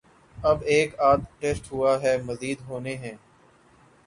اب ایک آدھ ٹیسٹ ہوا ہے، مزید ہونے ہیں۔